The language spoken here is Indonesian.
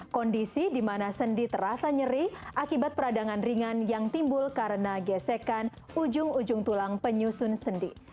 kondisi di mana sendi terasa nyeri akibat peradangan ringan yang timbul karena gesekan ujung ujung tulang penyusun sendi